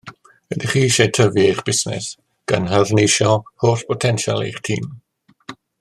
Ydych chi eisiau tyfu eich busnes gan harneisio holl botensial eich tîm?